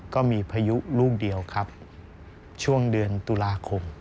พายุลูกเดียวครับช่วงเดือนตุลาคม